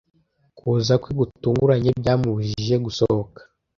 Kuza kwe gutunguranye byamubujije gusohoka.